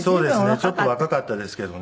ちょっと若かったですけどね。